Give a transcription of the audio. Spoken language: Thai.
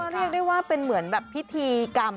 เรียกได้ว่าเป็นเหมือนแบบพิธีกรรม